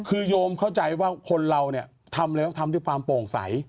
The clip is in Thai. คือยมเข้าใจว่าคนเราเนี่ยทำอะไรต้องทำที่ความโปร่งใส